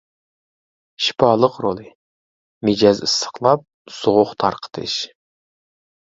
شىپالىق رولى : مىجەز ئىسسىقلاپ سوغۇق تارقىتىش.